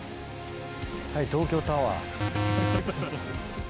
はい東京タワー。